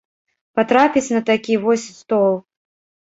Патрапіць на такі вось стол.